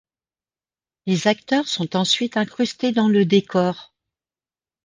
Les acteurs sont ensuite incrustés dans le décor.